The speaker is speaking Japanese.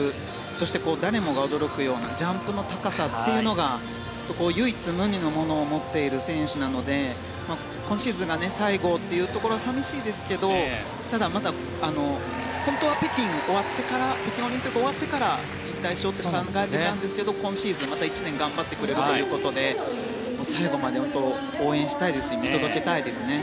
そして、誰もが驚くようなジャンプの高さというのが唯一無二のものを持っている選手なので今シーズンが最後というところは寂しいですけれどただ、本当は北京オリンピックが終わってから引退しようと考えていたんですが今シーズン、また１年頑張ってくれるということで最後まで応援したいですし見届けたいですね。